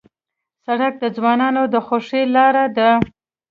سړک د ځوانانو د خوښۍ لاره ده.